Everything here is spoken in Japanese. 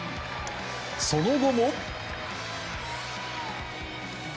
その後も。